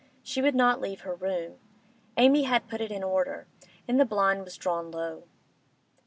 She would not leave her room; Amy had put it in order, and the blind was drawn low.